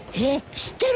えっ？